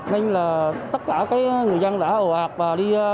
nên là tất cả người dân đã hầu hạt và đi